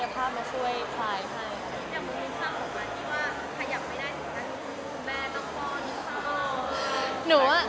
มึงมีคำถามก่อนที่ว่าขยับไม่ได้สิคะคุณแม่น้องพ่อน